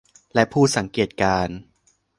และผู้สังเกตการณ์